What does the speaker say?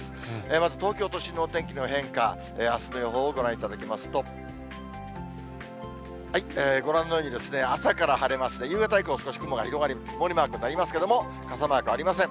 まず東京都心のお天気の変化、あすの予報をご覧いただきますと、ご覧のように朝から晴れますね、夕方以降、少し雲が広がり、曇りマークもありますけれども、傘マークありません。